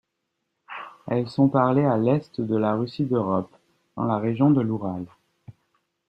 Elles sont parlées à l'est de la Russie d'Europe, dans la région de l'Oural.